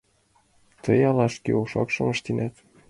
Тый ала шке окшакым ыштенат?